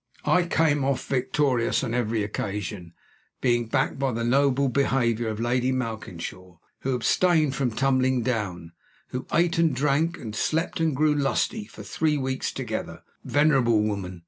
I came off victorious on every occasion being backed by the noble behavior of Lady Malkinshaw, who abstained from tumbling down, and who ate and drank, and slept and grew lusty, for three weeks together. Venerable woman!